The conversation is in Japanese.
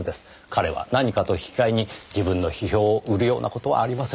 “彼”は何かと引き換えに自分の批評を売るような事はありません。